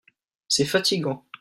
C'est fatigant.